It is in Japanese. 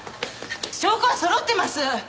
証拠はそろってます！